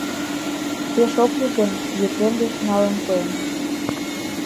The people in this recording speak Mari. — Пеш ок лий гын, Епрем деч налын пуэм.